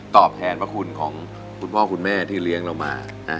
แทนพระคุณของคุณพ่อคุณแม่ที่เลี้ยงเรามา